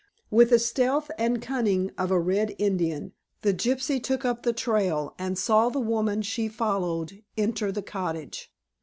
With the stealth and cunning of a Red Indian, the gypsy took up the trail, and saw the woman she followed enter the cottage.